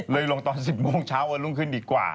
เลยลงตอน๑๐โมงเช้าวันรุ่งขึ้นดีกว่า